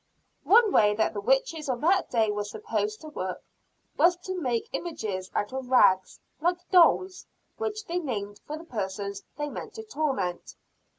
One way that the witches of that day were supposed to work, was to make images out of rags, like dolls, which they named for the persons they meant to torment.